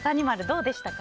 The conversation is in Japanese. どうでしたか？